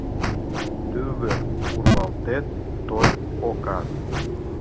Тувыр урвалтет - той окат